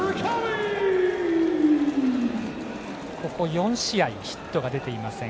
４試合ヒットが出ていません。